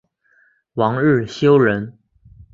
王日休人。